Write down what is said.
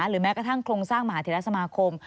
แม้กระทั่งโครงสร้างมหาเทรสมาคม